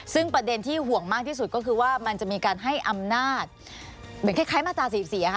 ซึ่งประเด็นที่ห่วงมากที่สุดก็คือว่ามันจะมีการให้อำนาจเหมือนคล้ายมาตรา๔๔ค่ะ